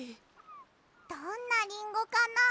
どんなリンゴかな。